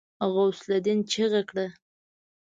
غوث االدين چيغه کړه.